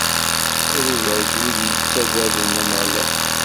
Ad ibarek wid yettagwgden Ameɣlal.